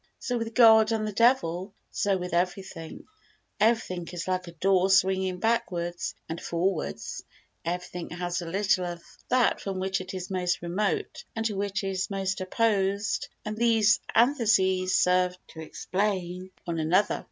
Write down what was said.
So with God and the devil; so with everything. Everything is like a door swinging backwards and forwards. Everything has a little of that from which it is most remote and to which it is most opposed and these antitheses serve to explain one another.